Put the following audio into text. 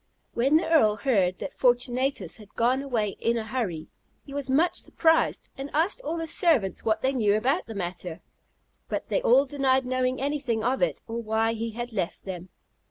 When the Earl heard that Fortunatus had gone away in a hurry, he was much surprised, and asked all his servants what they knew about the matter, but they all denied knowing anything of it, or why he had left them.